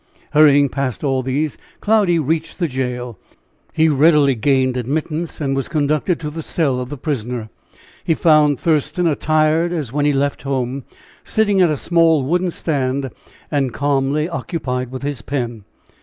Hurrying past all these, Cloudy reached the jail. He readily gained admittance, and was conducted to the cell of the prisoner. He found Thurston attired as when he left home, sitting at a small wooden stand, and calmly occupied with his pen.